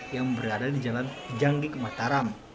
yang berada di jalan janggik mataram